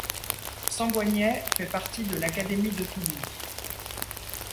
Sengouagnet fait partie de l'académie de Toulouse.